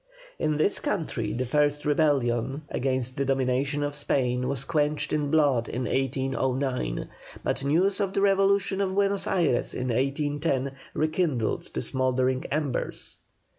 In this country the first rebellion against the domination of Spain was quenched in blood in 1809, but news of the revolution of Buenos Ayres in 1810 rekindled the smouldering embers.